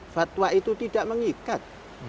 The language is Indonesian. fatwa itu tidak mengikat